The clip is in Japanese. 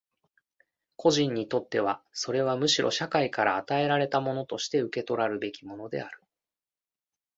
個人にとってはそれはむしろ社会から与えられたものとして受取らるべきものである。